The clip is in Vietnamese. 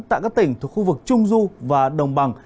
tại các tỉnh thuộc khu vực trung du và đồng bằng